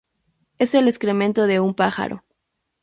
Es el excremento de un pájaro.